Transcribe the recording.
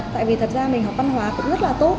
tại vì thật ra mình học văn hóa cũng rất là tốt